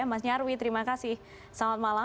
mas nyarwi terima kasih selamat malam